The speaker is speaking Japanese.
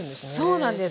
そうなんです。